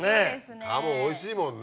鴨おいしいもんね。